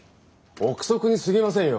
臆測にすぎませんよ。